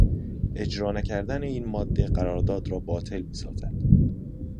اجرا نکردن این ماده قرارداد را باطل میسازد.